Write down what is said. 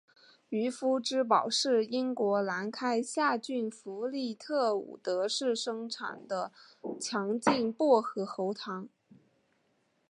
渔夫之宝是英国兰开夏郡弗利特伍德市生产的强劲薄荷喉糖。